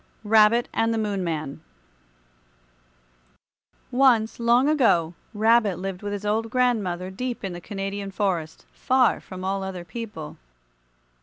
RABBIT AND THE MOON MAN Once, long ago, Rabbit lived with his old grandmother deep in the Canadian forest, far from all other people.